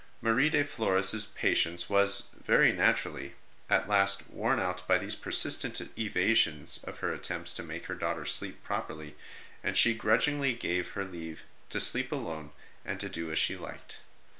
Marie de Flores patience was, very naturally, at last worn out by these persistent evasions of her attempts to make her daughter sleep properly, and she grudgingly gave her leave to sleep alone and do as she liked.